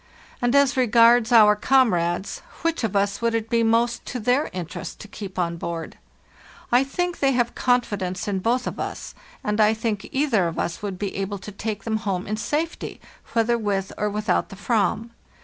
And as re gards our comrades, which of us would it be most to their interest to keep on board? I think they have con fidence in both of us, and I think either of us would be able to take them home in safety, whether with or with out the "vam.